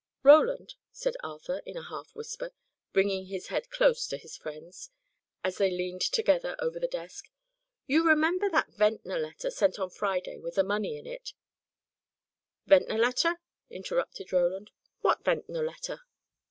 "Roland," said Arthur, in a half whisper, bringing his head close to his friend's, as they leaned together over the desk, "you remember that Ventnor letter, sent on Friday, with the money in it " "Ventnor letter!" interrupted Roland. "What Ventnor letter?"